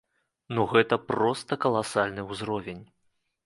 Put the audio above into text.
Ну гэта проста каласальны ўзровень.